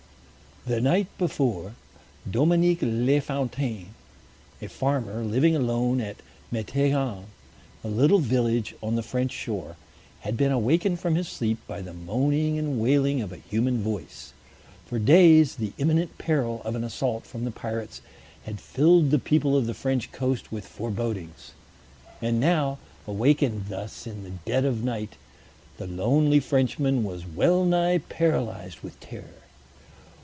The night before, Dominic Lefountain, a farmer living alone at Meteighan, a little village on the French shore, had been awakened from his sleep by the moaning and wailing of a human voice. For days the imminent peril of an assault from the pirates had filled the people of the French coast with forebodings. And now, awakened thus in the dead of night, the lonely Frenchman was wellnigh paralyzed with terror.